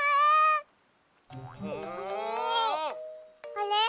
あれ？